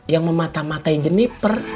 yang memata matain jeniper